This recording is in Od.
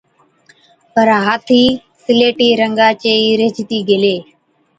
پَر هاٿِي سِليٽِي رنگا چي ئِي ريهجتِي گيلي۔